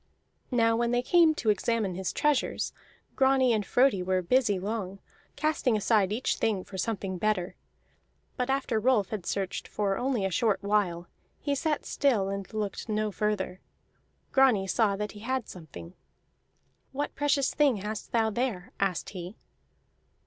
Now when they came to examine his treasures, Grani and Frodi were busy long, casting aside each thing for something better. But after Rolf had searched for only a short while, he sat still and looked no further. Grani saw that he had something. "What precious thing hast thou there?" asked he.